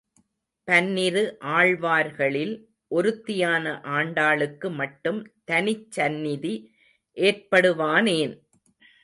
பன்னிரு ஆழ்வார்களில் ஒருத்தியான ஆண்டாளுக்கு மட்டும் தனிச் சந்நிதி ஏற்படுவானேன்?